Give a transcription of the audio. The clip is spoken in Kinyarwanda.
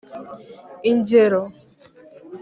lngero :